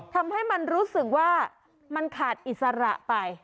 ทำให้มันรู้สึกว่ามันขาดอิสระไป